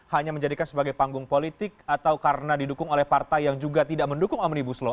hanya menjadikan sebagai panggung politik atau karena didukung oleh partai yang juga tidak mendukung omnibus law